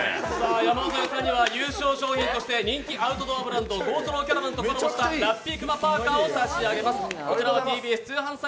山添さんには優勝賞品として人気アウトドアブランドｇｏｓｌｏｗｃａｒａｖａｎとコラボしたラッピークマパーカーを差し上げます。